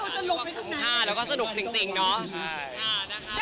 มันมีคุณค่าแล้วก็สนุกจริงเนาะ